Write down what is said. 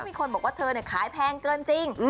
มีคนบอกว่าเธอขายแพงเกินจริง